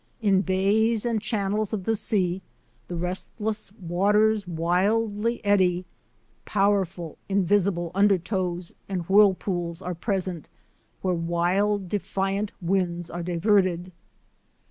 In bays and channels of the sea the restless waters wildly eddy; powerful, invisible undertows and whirlpools are present where wild, defiant winds are diverted.